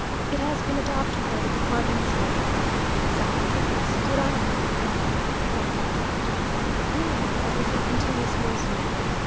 It has been adopted by the departments of Zacatecas, Durango, and Guanajvato. Meanwhile, everything continues here as usual.